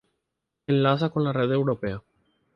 Enlaza con la red europea.